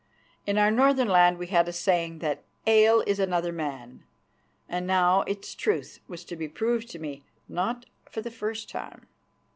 In our northern land we had a saying that "Ale is another man," and now its truth was to be proved to me, not for the first time.